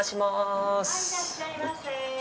はい、いらっしゃいませ。